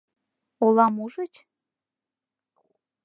— Олам ужыч?